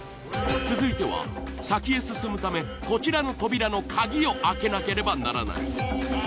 続いては先へ進むためこちらの扉の鍵を開けなければならない。